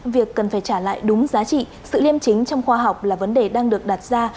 việc cần phải trả lại đúng giá trị sự liêm chính trong khoa học là vấn đề đang được đặt ra